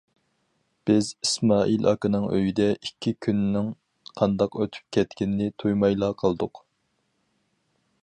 بىز ئىسمائىل ئاكىنىڭ ئۆيىدە ئىككى كۈننىڭ قانداق ئۆتۈپ كەتكىنىنى تۇيمايلا قالدۇق.